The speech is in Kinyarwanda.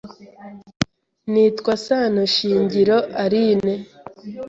Nitwa Sano Shingiro Aline